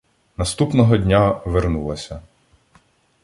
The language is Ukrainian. Наступного дня вернулася.